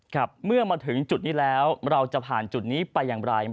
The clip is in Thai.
ครับเมื่อมาถึงจุดนี้แล้วเราจะผ่านจุดนี้ไปอย่างไร